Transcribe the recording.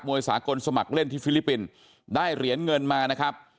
สากลสมัครเล่นที่ฟิลิปปินส์ได้เหรียญเงินมานะครับ